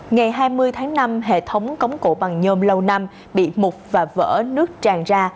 ngày hai mươi tháng năm hệ thống cống cổ bằng nhôm lâu năm bị mục và vỡ nước tràn ra